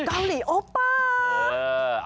เกาหลีโอเปอร์